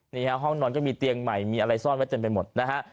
นี่ฮะห้องนอนก็มีเตียงใหม่มีอะไรซ่อนไว้เต็มไปหมดนะฮะ